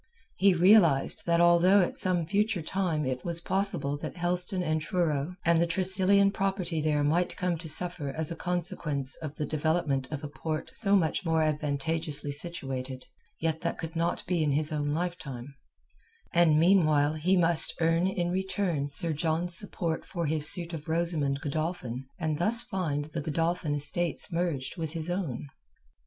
He realized that although at some future time it was possible that Helston and Truro and the Tressilian property there might come to suffer as a consequence of the development of a port so much more advantageously situated, yet that could not be in his own lifetime; and meanwhile he must earn in return Sir John's support for his suit of Rosamund Godolphin and thus find the Godolphin estates merged with his own.